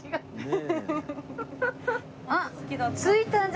あっ！